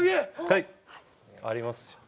はいあります。